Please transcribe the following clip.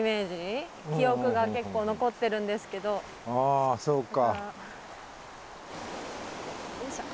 あそうか。